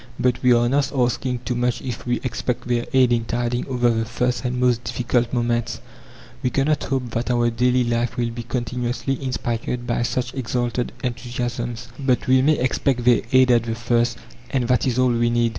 But we are not asking too much if we expect their aid in tiding over the first and most difficult moments. We cannot hope that our daily life will be continuously inspired by such exalted enthusiasms, but we may expect their aid at the first, and that is all we need.